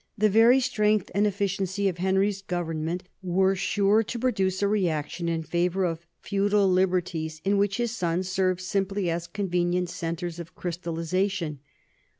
The very strength and efficiency of Henry's government were sure to produce a reaction in favor of feudal liberties in which his sons serve simply as convenient centres of crystallization.